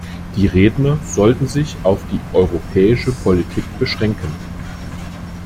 Die Redner sollten sich auf die europäische Politik beschränken.